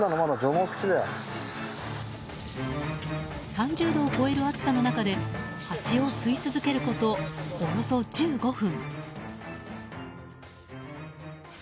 ３０度を超える暑さの中でハチを吸い続けることおよそ１５分。